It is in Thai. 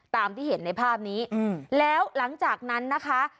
ตามที่เห็นในภาพนี้แล้วหลังจากนั้นนะคะ